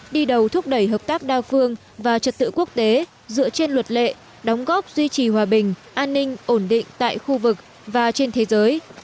đi đầu thúc đẩy hợp tác đa phương và trật tự quốc tế dựa trên luật lệ đóng góp duy trì hòa bình an ninh ổn định tại khu vực và trên thế giới